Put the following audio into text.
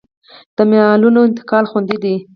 د مالونو انتقال خوندي دی